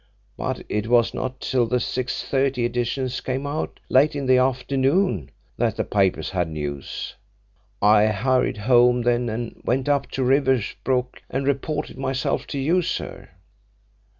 But it was not till the 6.30 editions came out, late in the afternoon, that the papers had the news. I hurried home and then went up to Riversbrook and reported myself to you, sir."